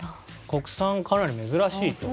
国産かなり珍しいと。